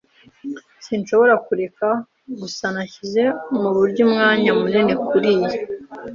Sinshobora kureka gusa. Nashyize muburyo umwanya munini kuriyi.